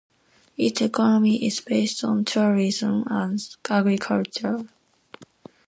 Its economy is based on tourism and agriculture.